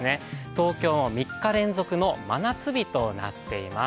東京も、３日連続の真夏日となっています。